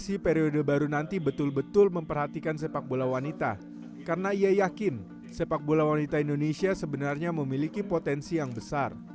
kompetisi periode baru nanti betul betul memperhatikan sepak bola wanita karena ia yakin sepak bola wanita indonesia sebenarnya memiliki potensi yang besar